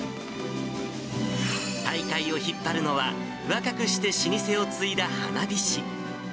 大会を引っ張るのは、若くして老舗を継いだ花火師。